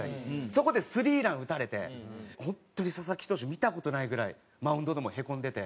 そこで３ラン打たれて本当に佐々木投手見た事ないぐらいマウンドでもへこんでて。